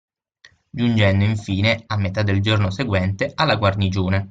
Giungendo infine, a metà del giorno seguente, alla guarnigione